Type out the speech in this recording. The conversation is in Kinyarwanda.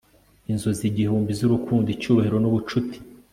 inzozi igihumbi z'urukundo, icyubahiro n'ubucuti